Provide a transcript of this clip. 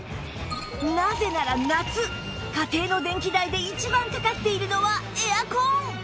なぜなら夏家庭の電気代で一番かかっているのはエアコン